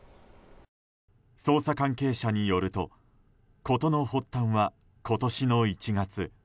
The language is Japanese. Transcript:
捜査関係者によると事の発端は今年の１月。